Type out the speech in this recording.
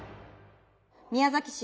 宮崎市